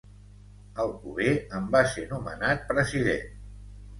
Alcover en va ser nomenat president.